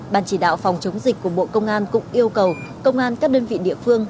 bàn chỉ đạo phòng chống dịch của bộ công an cũng yêu cầu công an các đơn vị địa phương